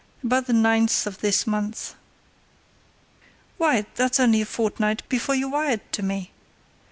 "About the ninth of this month." "Why, that's only a fortnight before you wired to me!